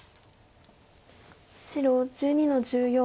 白１２の十四。